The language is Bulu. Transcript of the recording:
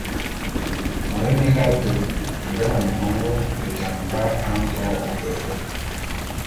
Mone minga ate a ngenan mongô, ve jam da a nto ôbe’ebek.